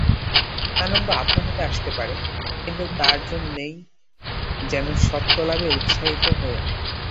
আনন্দ আপনা হতে আসতে পারে, কিন্তু তার জন্যই যেন সত্যলাভে উৎসাহিত হয়ো না।